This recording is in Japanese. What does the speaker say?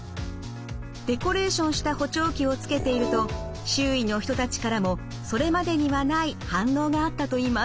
デコレーションした補聴器をつけていると周囲の人たちからもそれまでにはない反応があったといいます。